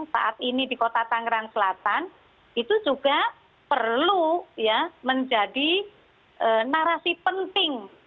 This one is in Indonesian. saat ini di kota tangerang selatan itu juga perlu menjadi narasi penting